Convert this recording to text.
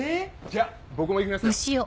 じゃあ僕も行きますよ。